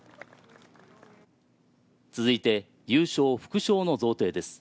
続いて、優勝副賞の贈呈です。